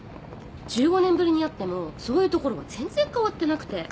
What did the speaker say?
１５年ぶりに会ってもそういうところは全然変わってなくて。